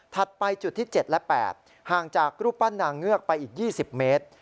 ไปจุดที่๗และ๘ห่างจากรูปปั้นนางเงือกไปอีก๒๐เมตร